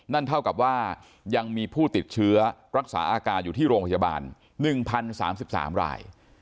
นั่นเท่ากับว่ายังมีผู้ติดเชื้อรักษาอาการอยู่ที่โรงพยาบาล๑๐๓๓ราย